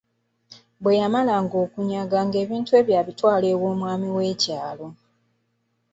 Bwe yamalanga okunyaga ng’ebintu ebyo abitwala ew’omwami w’ekyalo.